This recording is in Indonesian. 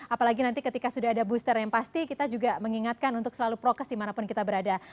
apalagi nanti ketika sudah ada booster yang pasti kita juga mengingatkan untuk selalu prokes dimanapun kita berada